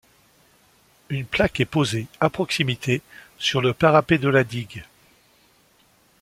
Une plaque est posée, à proximité, sur le parapet de la digue.